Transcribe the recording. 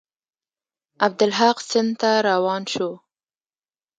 عبدالحق سند ته روان شو.